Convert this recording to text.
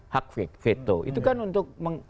hak veto itu kan untuk